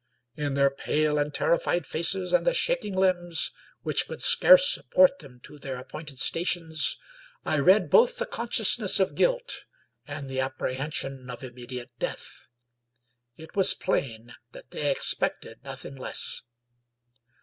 In their pale and terrified faces, and the shaking limbs which could scarce support them to their appointed stations, I read both the consciousness of guilt and the apprehension of immediate death; it was plain that they expected noth ing less.